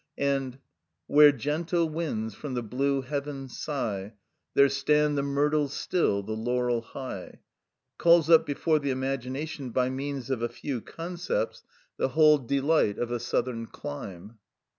And— "Where gentle winds from the blue heavens sigh, There stand the myrtles still, the laurel high,"— calls up before the imagination by means of a few concepts the whole delight of a southern clime.